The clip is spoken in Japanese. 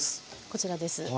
こちらです。